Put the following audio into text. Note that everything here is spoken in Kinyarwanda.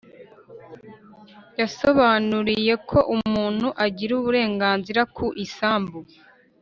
yabasobanuriye ko umuntu agira uburenganzira ku isambu